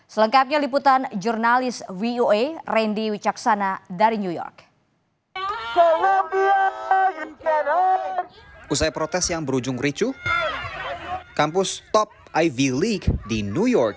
selengkapnya liputan jurnalis voa randy wicaksana dari new york